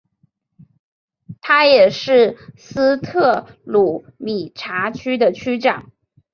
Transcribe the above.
他也是斯特鲁米察区的区长。